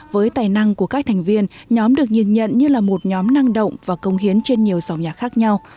với tài năng của các thành viên nhóm được nhìn nhận như là một nhóm năng động và công hiến trên nhiều dòng nhạc khác nhau